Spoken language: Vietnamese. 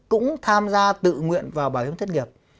cũng tham gia tự nguyện vào bảo hiểm thất nghiệp